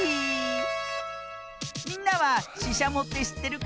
みんなはししゃもってしってるかな？